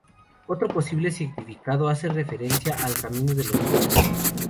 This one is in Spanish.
Otro posible significado hace referencia al "Camino de los muertos".